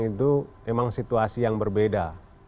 itu memang situasi yang berbeda